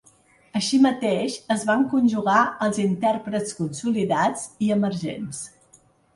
Així mateix, es van conjugar els intèrprets consolidats i emergents.